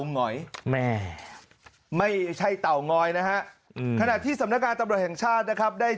หงอยแม่ไม่ใช่เตางอยนะฮะขณะที่สำนักงานตำรวจแห่งชาตินะครับได้